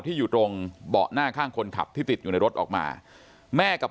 อยู่ตรงเบาะหน้าข้างคนขับที่ติดอยู่ในรถออกมาแม่กับ